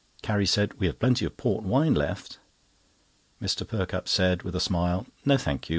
Carrie said: "We have plenty of port wine left." Mr. Perkupp said, with a smile: "No, thank you.